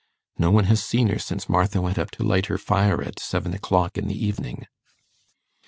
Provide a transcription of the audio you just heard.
No one has seen her since Martha went up to light her fire at seven o'clock in the evening.